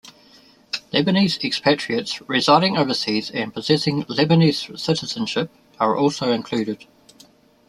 Lebanese expatriates residing overseas and possessing Lebanese citizenship are also included.